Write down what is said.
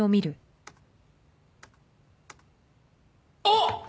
あっ！